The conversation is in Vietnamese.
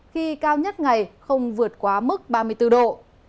khi cao nhất ngày không vượt quá mức ba mươi bốn độ